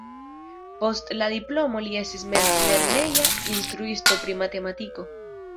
Post la diplomo li estis mezlerneja instruisto pri matematiko.